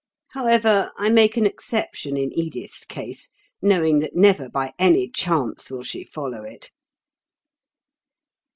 However, I make an exception in Edith's case, knowing that never by any chance will she follow it."